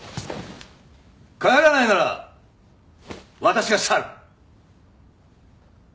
帰らないなら私が去る！